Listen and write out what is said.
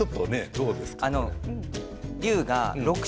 どうですか？